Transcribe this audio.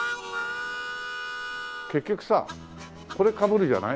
結局さこれかぶるじゃない？